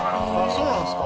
そうなんですか。